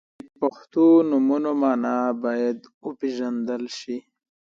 • د پښتو نومونو مانا باید وپیژندل شي.